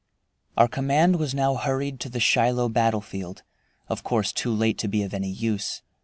Our command was now hurried to the Shiloh battlefield, of course too late to be of any use.